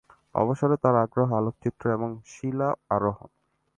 অবসরে তার আগ্রহ আলোকচিত্র এবং শিলা আরোহণ।